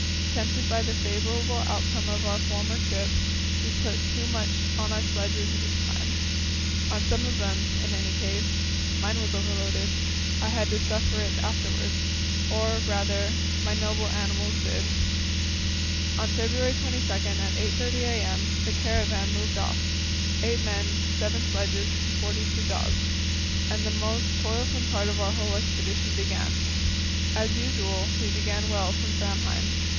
Tempted by the favourable outcome of our former trip, we put too much on our sledges this time on some of them, in any case. Mine was overloaded. I had to suffer for it afterwards or, rather, my noble animals did. On February 22, at 8.30 a.m., the caravan moved off eight men, seven sledges, and forty two dogs and the most toilsome part of our whole expedition began. As usual, we began well from Framheim.